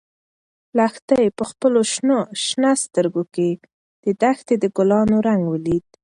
لښتې په خپلو شنه سترګو کې د دښتې د ګلانو رنګ ولید.